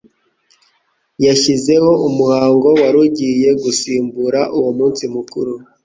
yashyizeho umuhango wari ugiye gusimbura uwo munsi mukuru